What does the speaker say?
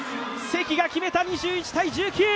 関が決めた２１−１９！